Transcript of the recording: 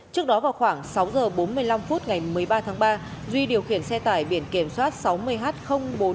trước đó vào khoảng sáu h bốn mươi năm phút ngày một mươi ba tháng ba duy điều khiển xe tải biển kiểm soát sáu mươi h bốn nghìn hai trăm bảy mươi bảy